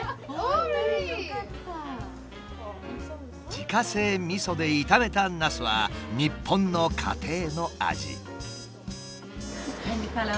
自家製みそで炒めたナスは日本の家庭の味。